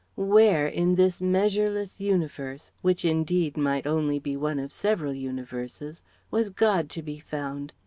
Where, in this measureless universe which indeed might only be one of several universes was God to be found?